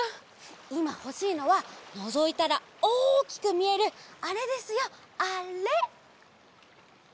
いまほしいのはのぞいたらおおきくみえるあれですよあれ！